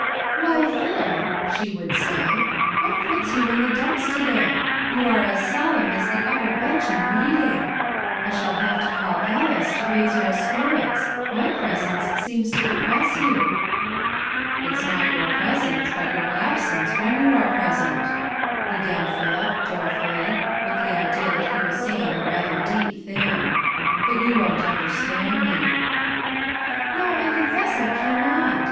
"Why, Phil," she would say, "what puts you in the dumps to day? You are as solemn as the upper bench in Meeting. I shall have to call Alice to raise your spirits; my presence seems to depress you." "It's not your presence, but your absence when you are present," began Philip, dolefully, with the idea that he was saying a rather deep thing. "But you won't understand me." "No, I confess I cannot.